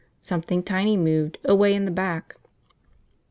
Something tiny moved, away in the back.